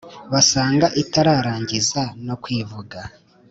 basanga itararangiza no kwivuga.